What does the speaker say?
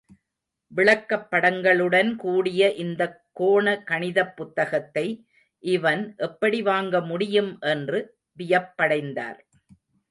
விளக்கப் படங்களுடன் கூடிய இந்தக், கோண கணிதப் புத்தகத்தை இவன் எப்படி வாங்க முடியும் என்று வியப்படைந்தார்.